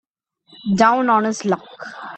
Down on his luck